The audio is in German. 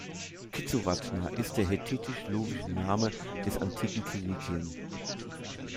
Kizzuwatna ist der hethitisch-luwische Name des antiken Kilikien.